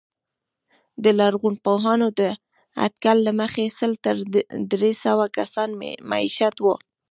د لرغونپوهانو د اټکل له مخې سل تر درې سوه کسان مېشت وو